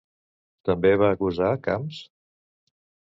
També va acusar Camps?